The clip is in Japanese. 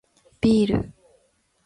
ビール